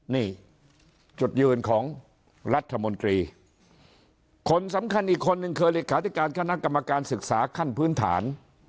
นี่จุดยืนของรัฐมนตรีคนสำคัญอีกคนนึงคือเลขาธิการคณะกรรมการศึกษาขั้นพื้นฐาน